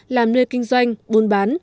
làm nơi kinh doanh buôn bán